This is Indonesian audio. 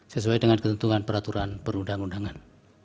sesuai dengan ketentuan peraturan perundang undangan